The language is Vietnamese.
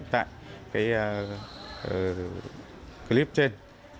tại clip trên